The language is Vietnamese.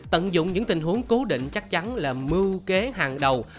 tận dụng những tình huống cố định chắc chắn là mưu kế hàng đầu